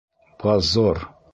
Позор!